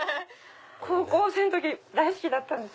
高校生の時大好きだったんです。